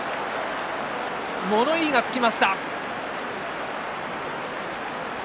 物言いがつきました。